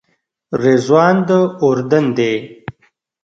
رضوان د اردن دی.